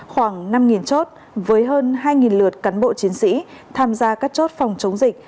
khoảng năm chốt với hơn hai lượt cán bộ chiến sĩ tham gia các chốt phòng chống dịch